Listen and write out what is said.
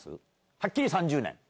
はっきり３０年？